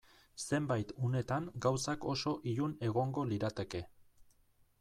Zenbait unetan gauzak oso ilun egongo lirateke.